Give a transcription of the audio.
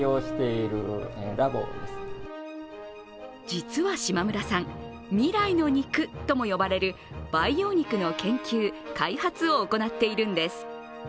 実は島村さん未来の肉とも呼ばれる培養肉の研究・開発を行っているんです。